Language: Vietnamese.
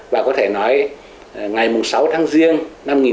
và có thể nói ngày sáu tháng riêng năm một nghìn chín trăm bốn mươi sáu